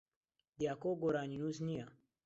دیاکۆ گۆرانینووس نییە.